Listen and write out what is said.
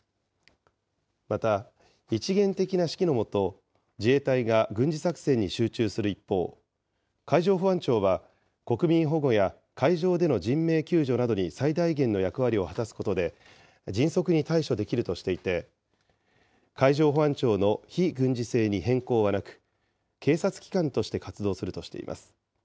また、一元的な指揮のもと、自衛隊が軍事作戦に集中する一方、海上保安庁は国民保護や海上での人命救助などに最大限の役割を果たすことで迅速に対処できるとしていて、海上保安庁の非軍事性に変更はなく、警察機関として活動するとしています。